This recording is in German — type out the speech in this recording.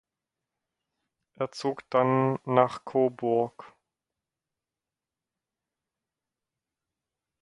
Er zog dann nach Coburg.